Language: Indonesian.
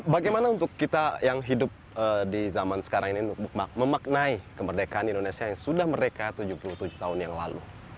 bagaimana untuk kita yang hidup di zaman sekarang ini untuk memaknai kemerdekaan indonesia yang sudah merdeka tujuh puluh tujuh tahun yang lalu